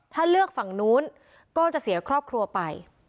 ถ้าเลือกฝั่งนู้นก็จะเสียครอบครัวไป